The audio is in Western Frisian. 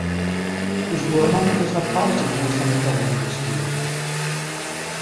Us buorman is wat al te goed fan 'e tongrieme snien.